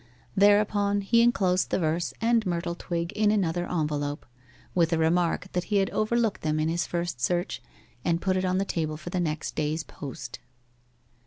Thereupon he enclosed the verse and myrtle twig in another envelope, with a remark that he had overlooked them in his first search, and put it on the table for the next day's post.